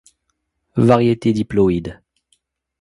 Variété diploïde.